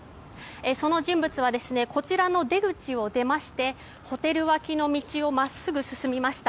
その人物はこちらの出口を出ましてホテル脇の道を真っすぐ進みました。